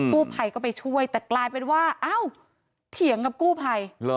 กู้ไพก็ไปช่วยแต่กลายเป็นว่าเถียงกับกู้ไพ